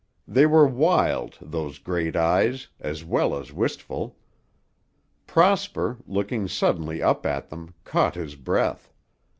They were wild, those great eyes, as well as wistful. Prosper, looking suddenly up at them, caught his breath.